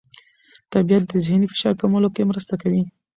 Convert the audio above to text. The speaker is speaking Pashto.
طبیعت د ذهني فشار کمولو کې مرسته کوي.